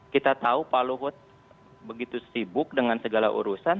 kita tahu pak luhut begitu sibuk dengan segala urusan